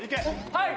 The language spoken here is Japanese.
はい！